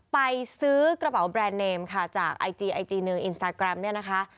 ไปซื้อกระเป๋าแบรนด์เนมค่ะจากไอจีไอจีหนึ่งอินสตาแกรมเนี่ยนะคะ